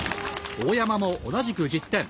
大山も同じく１０点。